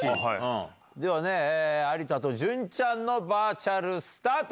では有田と潤ちゃんのバーチャルスタート！